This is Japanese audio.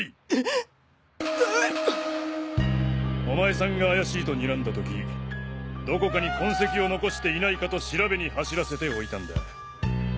お前さんが怪しいとにらんだ時どこかに痕跡を残していないかと調べに走らせておいたんだ。